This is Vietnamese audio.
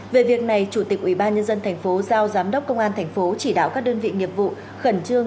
về việc này chủ tịch ubnd tp giao giám đốc công an thành phố chỉ đạo các đơn vị nghiệp vụ khẩn trương